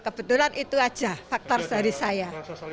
kebetulan itu aja faktor dari saya